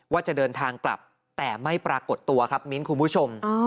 ว่าจะเดินทางกลับแต่ไม่ปรากฏตัวครับมิ้นคุณผู้ชม